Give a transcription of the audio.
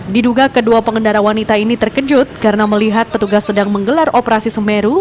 diduga kedua pengendara wanita ini terkejut karena melihat petugas sedang menggelar operasi semeru